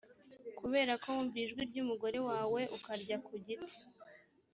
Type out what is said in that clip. kubera ko wumviye ijwi ry umugore wawe ukarya ku giti